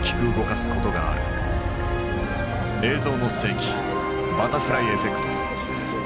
「映像の世紀バタフライエフェクト」。